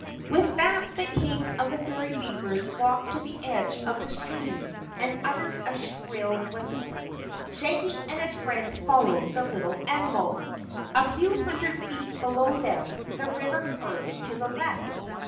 With that the King of the Fairy Beavers walked to the edge of the stream and uttered a shrill whistle. Shaggy and his friends followed the little animal. A few hundred feet below them the river curved to the left.